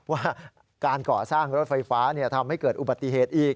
ว่าการก่อสร้างรถไฟฟ้าทำให้เกิดอุบัติเหตุอีก